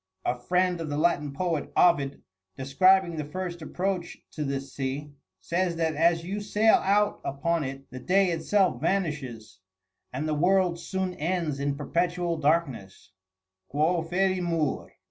A friend of the Latin poet, Ovid, describing the first approach to this sea, says that as you sail out upon it the day itself vanishes, and the world soon ends in perpetual darkness: "Quo Ferimur?